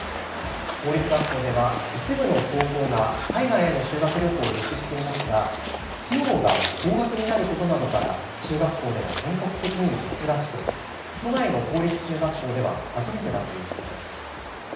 公立学校では一部の高校が海外への修学旅行を実施していますが費用が高額になることなどから中学校では全国的にも珍しく都内の公立中学校では初めてだということです。